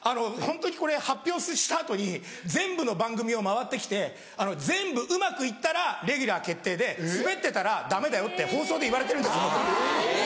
ホントにこれ発表した後に全部の番組を回って来て全部うまく行ったらレギュラー決定でスベってたらダメだよって放送で言われてるんです僕。